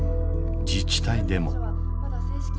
自治体でも。